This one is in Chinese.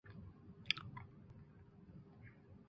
太子长琴亦成为焚寂之剑灵。